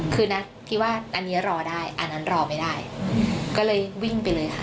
คือนัทคิดว่าอันนี้รอได้อันนั้นรอไม่ได้ก็เลยวิ่งไปเลยค่ะ